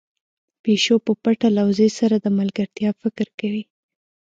پيشو په پټه له وزې سره د ملګرتيا فکر کوي.